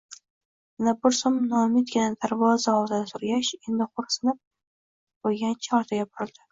Yana bir zum noumidgina darvoza oldida turgach, engil xo`rsinib qo`ygancha, ortiga burildi